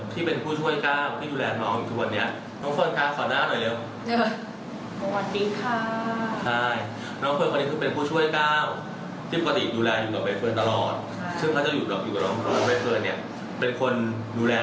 ที่เป็นผู้ช่วยก้าวที่ดูแลน้องทุกวันนี้